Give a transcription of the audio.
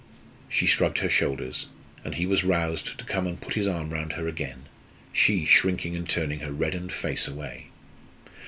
She shrugged her shoulders, and he was roused to come and put his arm round her again, she shrinking and turning her reddened face away.